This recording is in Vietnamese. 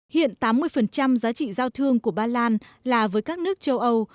hiện tám mươi giá trị giao thương của ba lan là với các nước châu âu